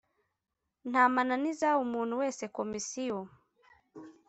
nta mananiza umuntu wese Komisiyo